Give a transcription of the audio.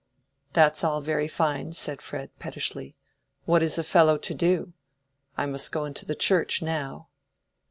"That's all very fine," said Fred, pettishly. "What is a fellow to do? I must go into the Church now."